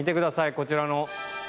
こちらの。